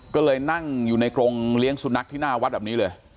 ก็เลยนั่งอยู่ในกรงเลี้ยงสุนัขที่หน้าวัดแบบนี้เลย